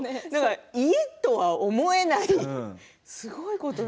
家とは思えないすごいことに。